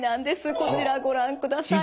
こちらご覧ください。